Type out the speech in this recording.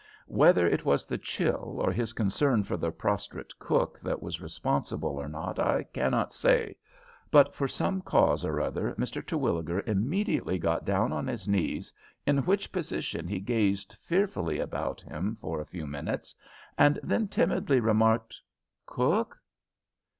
Whether it was the chill or his concern for the prostrate cook that was responsible or not I cannot say, but for some cause or other Mr. Terwilliger immediately got down on his knees, in which position he gazed fearfully about him for a few minutes, and then timidly remarked, "Cook!"